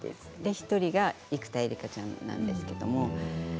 １人が生田絵梨花ちゃんなんですけども。